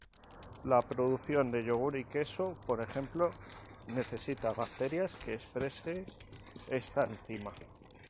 La producción de yogur y queso, por ejemplo, necesita bacterias que expresen esta enzima.